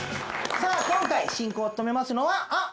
さあ今回進行を務めますのはあっ。